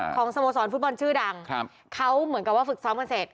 สโมสรฟุตบอลชื่อดังครับเขาเหมือนกับว่าฝึกซ้อมกันเสร็จ